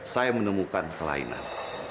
saya menemukan kelainan